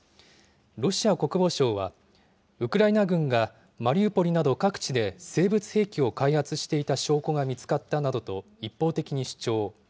ロシア国防省は、ウクライナ軍がマリウポリなど、各地で生物兵器を開発していた証拠が見つかったなどと、一方的に主張。